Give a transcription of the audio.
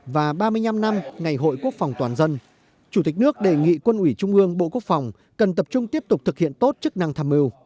và ba mươi năm năm ngày hội quốc phòng toàn dân chủ tịch nước đề nghị quân ủy trung ương bộ quốc phòng cần tập trung tiếp tục thực hiện tốt chức năng tham mưu